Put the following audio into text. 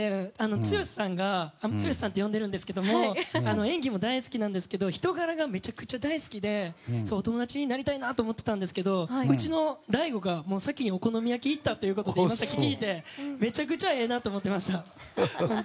ツヨシさんが、ツヨシさんって呼んでるんですけど演技も大好きなんですけど人柄もめちゃくちゃ大好きでお友達になりたいなと思っていたんですけどうちの大吾が先にお好み焼きに行ったって聞いてめちゃくちゃええなと思ってました。